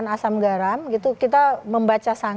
ini berat tentang harus memeliti pemerintahan